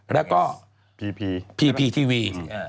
แล้วก็พีทีวี